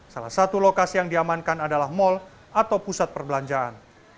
salah satu lokasi yang diamankan adalah mal atau pusat perbelanjaan